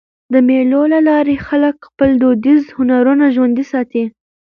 د مېلو له لاري خلک خپل دودیز هنرونه ژوندي ساتي.